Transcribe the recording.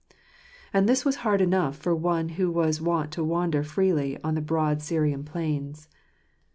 And this was hard enough for one who was wont to wander freely on the broad Syrian plains.